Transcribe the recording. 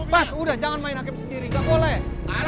mas udah jangan main hakim sendiri gak boleh